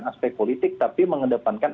aspek politik tapi mengedepankan